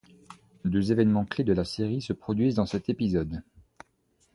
Deux évènements clés de la série se produisent dans cet épisode.